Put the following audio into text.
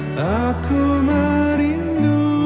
aku sangat merindukanmu